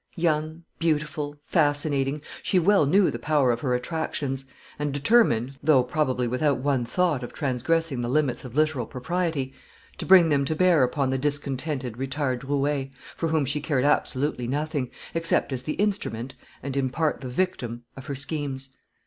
Young, beautiful, fascinating, she well knew the power of her attractions, and determined, though probably without one thought of transgressing the limits of literal propriety, to bring them to bear upon the discontented, retired roué, for whom she cared absolutely nothing, except as the instrument, and in part the victim of her schemes.